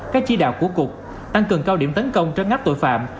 các chỉ đạo của cục tăng cường cao điểm tấn công trấn ngắp tội phạm